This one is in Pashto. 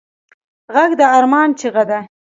غږ د ارمان چیغه ده